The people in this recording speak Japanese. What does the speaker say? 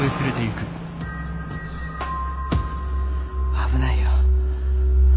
危ないよ。